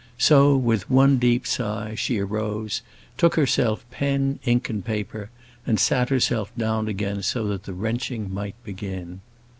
So, with one deep sigh, she arose, took herself pen, ink, and paper, and sat herself down again so that the wrenching might begin.